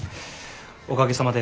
おかげさまで。